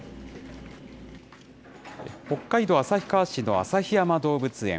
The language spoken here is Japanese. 北海道旭川市の旭山動物園。